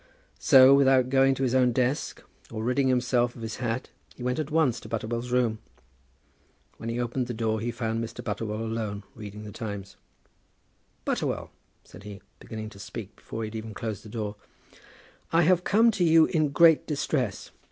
So, without going to his own desk, or ridding himself of his hat, he went at once to Butterwell's room. When he opened the door, he found Mr. Butterwell alone, reading The Times. "Butterwell," said he, beginning to speak before he had even closed the door, "I have come to you in great distress.